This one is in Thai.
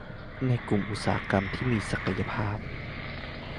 ในกลุ่มอุตสาหกรรมที่มีศักยภาพ